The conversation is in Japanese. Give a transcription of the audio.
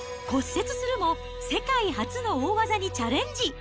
骨折するも、世界初の大技にチャレンジ。